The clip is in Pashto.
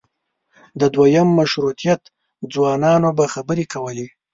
د دویم مشروطیت ځوانانو به خبرې کولې.